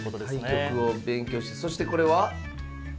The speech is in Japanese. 対局を勉強してそしてこれは？